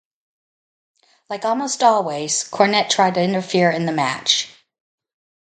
Like almost always Cornette tried to interfere in the match.